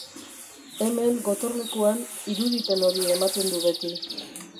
Hemen, Gotorlekuan, irudipen hori ematen du beti.